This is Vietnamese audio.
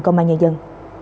công an nhân dân